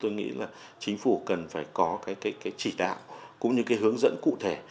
tôi nghĩ là chính phủ cần phải có cái chỉ đạo cũng như cái hướng dẫn cụ thể